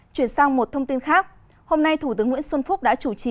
chuyển sang một thông tin khác hôm nay thủ tướng nguyễn xuân phúc đã chủ trì